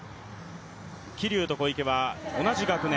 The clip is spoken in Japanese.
桐生と小池は同じ学年。